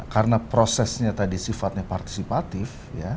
karena prosesnya tadi sifatnya partisipatif